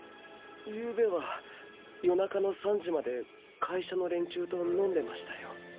ゆうべは夜中の３時まで会社の連中と飲んでましたよ。